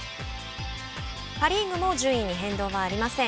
パ・リーグも順位に変動ありません。